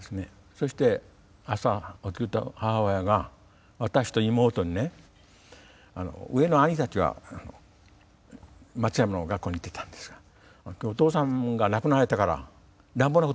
そして朝起きると母親が私と妹にね上の兄たちは松山の学校に行ってたんですがお父さんが亡くなられたから乱暴なことをしないように。